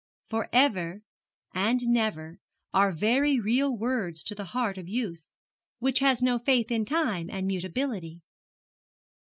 For ever, and never, are very real words to the heart of youth, which has no faith in time and mutability.